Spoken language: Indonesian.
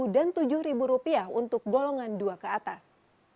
dan rp tujuh untuk golongan dua ke atas